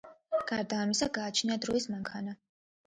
გარდა ამისა, გააჩნია დროის მანქანა.